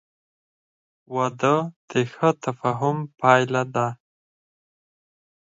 • واده د ښه تفاهم پایله ده.